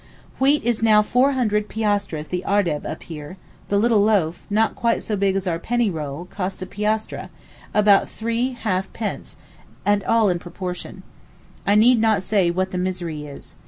Wheat is now 400 piastres the ardeb up here; the little loaf, not quite so big as our penny roll, costs a piastre—about three half pence—and all in proportion. I need not say what the misery is.